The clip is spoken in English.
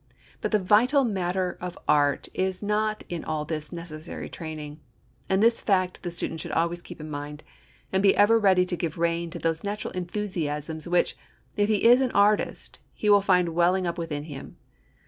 But the vital matter of art is not in all this necessary training. And this fact the student should always keep in mind, and be ever ready to give rein to those natural enthusiasms which, if he is an artist, he will find welling up within him.